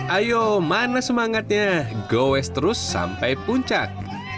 ayo mana semangatnya goes terus sampai puncak